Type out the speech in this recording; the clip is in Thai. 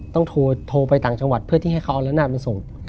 ต้องโทรไปต่างจังหวัดเพื่อที่ให้เขาเอาแล้วหน้าไปส่ง